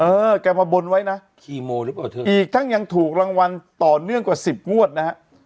เออแกมาบนไว้นะอีกทั้งยังถูกรางวัลต่อเนื่องกว่าสิบงวดนะฮะ